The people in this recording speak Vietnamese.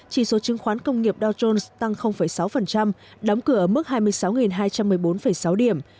chỉ số chứng khoán công nghiệp dow jones tăng sáu đóng cửa ở mức hai mươi sáu hai trăm một mươi bốn sáu điểm